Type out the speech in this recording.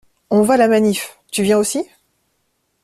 On va à la manif, tu viens aussi?